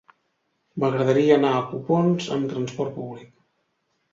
M'agradaria anar a Copons amb trasport públic.